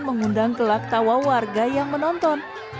mengundang gelak tawa warga yang menonton